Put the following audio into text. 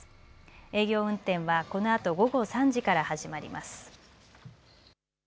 営業運転はこのあと午後３時から始まります。